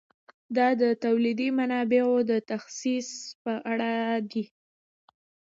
دا د تولیدي منابعو د تخصیص په اړه دی.